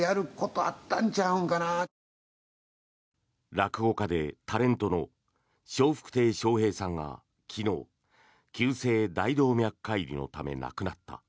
落語家でタレントの笑福亭笑瓶さんが昨日、急性大動脈解離のため亡くなった。